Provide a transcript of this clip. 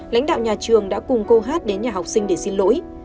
lãnh đạo nhà trường đã cùng cô hát đến nhà học sinh để xin lỗi